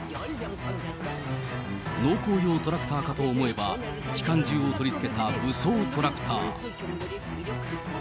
農耕用トラクターかと思えば、機関銃を取り付けた武装トラクター。